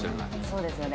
そうですよね。